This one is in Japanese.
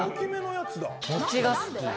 餅が好き？